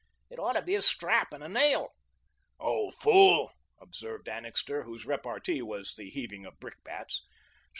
It ought to be a strap and a nail." "Old fool," observed Annixter, whose repartee was the heaving of brick bats.